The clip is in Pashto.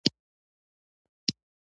ظرفیت شتون لري